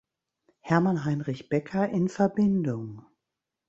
Hermann Heinrich Becker in Verbindung.